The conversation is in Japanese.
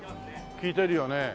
効いてるよね。